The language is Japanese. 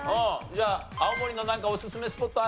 じゃあ青森のなんかおすすめスポットある？